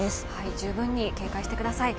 十分に警戒してください。